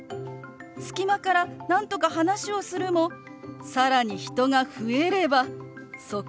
隙間からなんとか話をするも更に人が増えればそこで諦める。